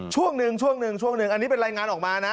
ช่วงหนึ่งอันนี้เป็นรายงานออกมานะ